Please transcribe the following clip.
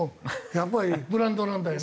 やっぱりブランドなんだよね。